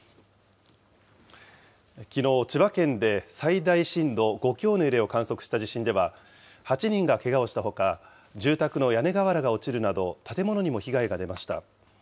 きのう、千葉県で最大震度５強の揺れを観測した地震では、８人がけがをしたほか、住宅の屋根瓦が落ちるなど、建物にも被害が出ました。